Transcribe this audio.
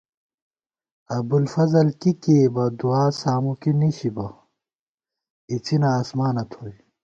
ابوالفضل کی کېئیبہ، دُعاں سامُکی نِشِبہ، اِڅِنہ آسمانہ تھوئی